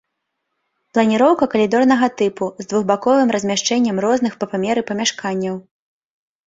Планіроўка калідорнага тыпу з двухбаковым размяшчэннем розных па памеры памяшканняў.